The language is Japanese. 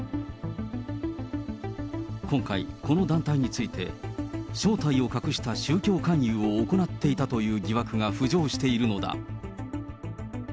今回、この団体について、正体を隠した宗教勧誘を行っていたという疑惑が浮上しているのだ。